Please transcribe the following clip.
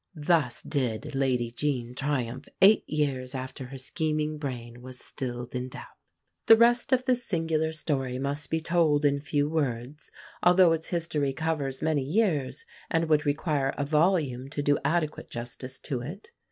Thus did Lady Jean triumph eight years after her scheming brain was stilled in death. The rest of this singular story must be told in few words, although its history covers many years, and would require a volume to do adequate justice to it.